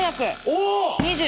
お！